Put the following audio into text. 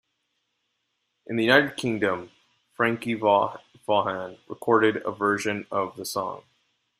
In the United Kingdom, Frankie Vaughan recorded a version of the song.